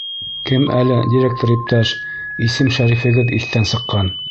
Кем әле, директор иптәш, исем-шәрифегеҙ иҫтән сыҡҡан.